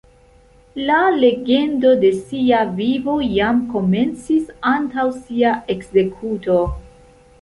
La legendo de sia vivo jam komencis antaŭ sia ekzekuto.